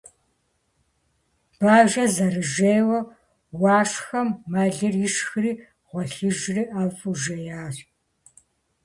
Бажэр зэрыжейуэ, Уашхэм мэлыр ишхри гъуэлъыжри ӀэфӀу жеящ.